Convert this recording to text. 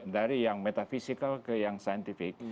dari yang metafisical ke yang scientific